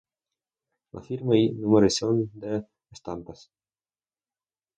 La firma y numeración de estampas.